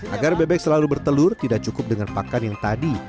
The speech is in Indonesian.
agar bebek selalu bertelur tidak cukup dengan pakan yang tadi